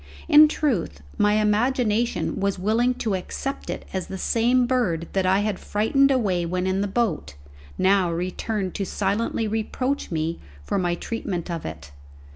In truth, my imagination was willing to accept it as the same bird that I had frightened away when in the boat, now returned to silently reproach me for my treatment of it.